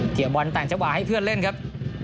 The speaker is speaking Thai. เกี่ยวบอนแต่งจักรวาให้เพื่อนเล่นครับ